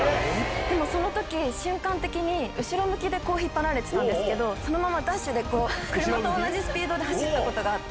でも、そのとき、瞬間的に、後ろ向きで引っ張られてたんですけど、そのままダッシュでこう車と同じスピードで走ったことがあって。